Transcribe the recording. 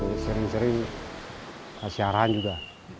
dia sering sering persiaran juga